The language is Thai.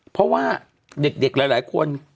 เพราะว่าเด็กหลายคน